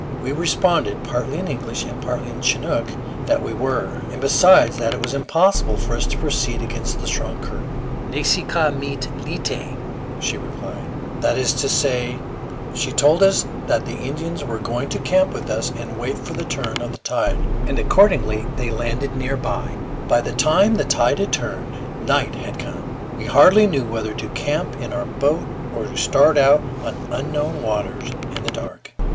We responded, partly in English and partly in Chinook, that we were, and besides that it was impossible for us to proceed against the strong current. "Ne si ka mit lite," she replied; that is to say, she told us that the Indians were going to camp with us and wait for the turn of the tide, and accordingly they landed near by. [Illustration: Asahel Curtis Mt. Rainier.] By the time the tide had turned, night had come. We hardly knew whether to camp in our boat or to start out on unknown waters in the dark.